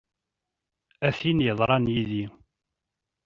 A tin yeḍran yid-i!